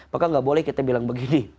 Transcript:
maka nggak boleh kita bilang begini